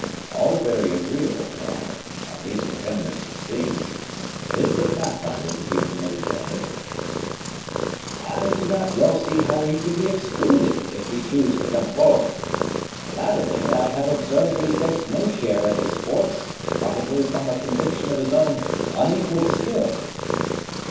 "All very agreeable, your honor, at least to him that succeeds. Is the Pathfinder to be permitted to enter?" "I do not well see how he can be excluded, if he choose to come forward. Latterly, I have observed that he takes no share in these sports, probably from a conviction of his own unequalled skill."